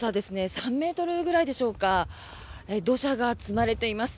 ３ｍくらいでしょうか土砂が積まれています。